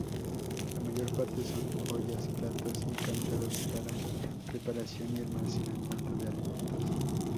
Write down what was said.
La mayor parte son ollas, platos y cántaros para preparación y almacenamiento de alimentos.